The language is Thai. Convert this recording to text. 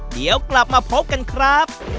เดี๋ยวกลับมาพบกันครับ